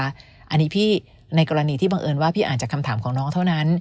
อันนี้พี่ในกรณีที่บังเอิญว่าพี่อ่านจากคำถามของน้องเท่านั้น